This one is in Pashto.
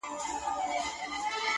پرېښودلای خو يې نسم،